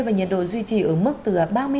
và nhiệt độ duy trì ở mức từ ba mươi năm